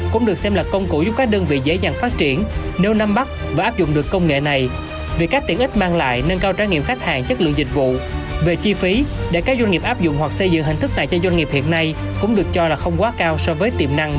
cũng được cho là không quá cao so với tiềm năng mà nó mang lại